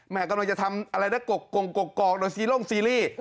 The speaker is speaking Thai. กำลังจะทำอะไรนะกกงกอกโดยซีร่งซีรีส์